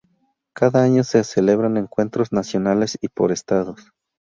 Cada año se celebran encuentros nacionales y por estados.